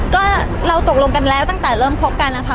ก็เราตกลงกันแล้วตั้งแต่เริ่มคบกันนะคะ